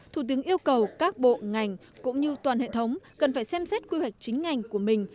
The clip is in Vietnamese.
thủ tướng yêu cầu các bộ ngành cũng như toàn hệ thống cần phải xem xét quy hoạch chính ngành của mình